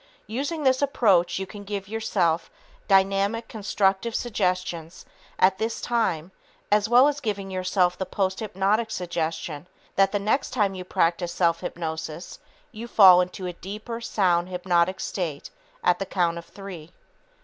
Using this approach, you can give yourself dynamic, constructive suggestions at this time as well as giving yourself the posthypnotic suggestion that the next time you practice self hypnosis, you will fall into a deeper, sound, hypnotic state at the count of three.